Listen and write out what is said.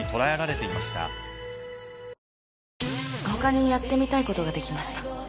他にやってみたいことができました。